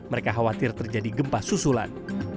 mereka khawatir terjadi gempa susulan